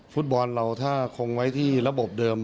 ฟุตบอลเราถ้าคงไว้ที่ระบบเดิม